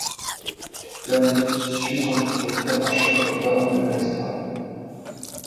La nef suit son propriétaire à chaque repas même à l’extérieur.